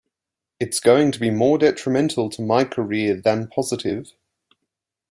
It's going to be more detrimental to my career than positive.